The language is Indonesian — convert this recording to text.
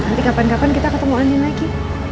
nanti kapan kapan kita ketemu andi lagi